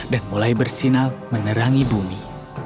dan mulai bersinal menerangi bumi